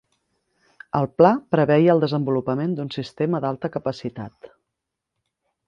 El pla preveia el desenvolupament d'un sistema d'alta capacitat.